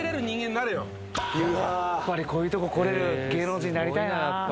やっぱりこういうとこ来れる芸能人になりたいな